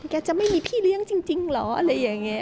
แกจะไม่มีพี่เลี้ยงจริงเหรออะไรอย่างนี้